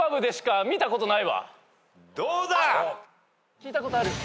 聞いたことある。